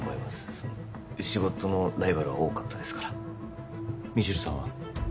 その仕事のライバルは多かったですから未知留さんは？